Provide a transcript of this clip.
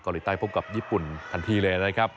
ใต้พบกับญี่ปุ่นทันทีเลยนะครับ